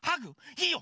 いいよ。